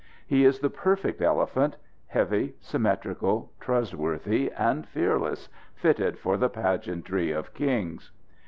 He is the perfect elephant heavy, symmetrical, trustworthy and fearless fitted for the pageantry of kings.